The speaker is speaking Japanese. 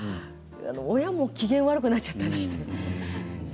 親も機嫌が悪くなっちゃったりしてね。